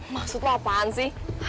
maksud lo apaan sih